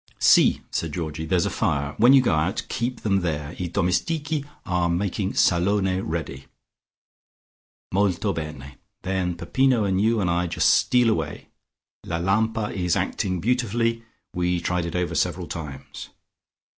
"Si," said Georgie. "There's a fire. When you go out, keep them there. I domestichi are making salone ready." "Molto bene. Then Peppino and you and I just steal away. La lampa is acting beautifully. We tried it over several times."